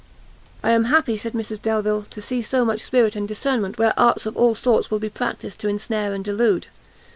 "I am happy," said Mrs Delvile, "to see so much spirit and discernment where arts of all sorts will be practised to ensnare and delude.